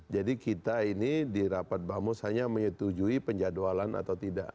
jadi kita ini di rapat bamus hanya menyetujui penjadwalan atau tidak